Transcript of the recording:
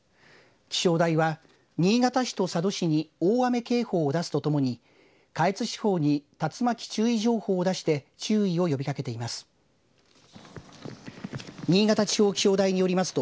気象台は新潟市と佐渡市に大雨警報を出すとともに下越地方に竜巻注意情報を出して注意を呼びかけています。